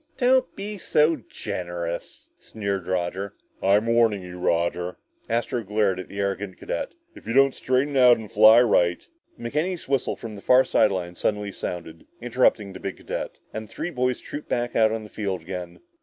"Don't be so generous," sneered Roger. "I'm warning you, Roger" Astro glared at the arrogant cadet "if you don't straighten out and fly right " McKenny's whistle from the far side lines suddenly sounded, interrupting the big cadet, and the three boys trooped back out on the field again.